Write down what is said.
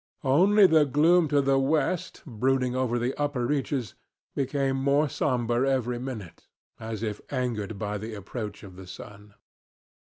Only the gloom to the west, brooding over the upper reaches, became more somber every minute, as if angered by the approach of the sun.